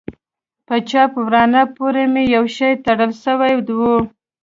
په چپ ورانه پورې مې يو شى تړل سوى و.